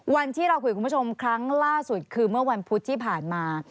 วันที่เราคุยคุณผู้ชมครั้งล่าสุดคือเมื่อวันพุธที่ผ่านมา